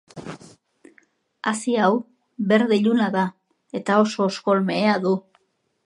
Hazi hau berde iluna da eta oso oskol mehea du.